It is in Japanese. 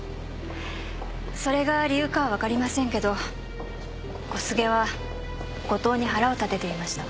それが理由かはわかりませんけど小菅は後藤に腹を立てていました。